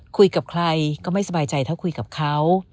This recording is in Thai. คุยกับใครก็ไม่สบายใจเท่าคุยกับเขา